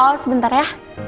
oh sebentar ya